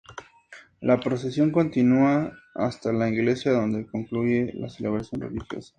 La procesión continúa hasta la iglesia donde concluye la celebración religiosa.